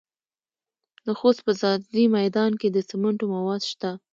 د خوست په ځاځي میدان کې د سمنټو مواد شته.